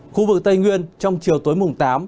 khu vực tây nguyên trong chiều tối mùng tám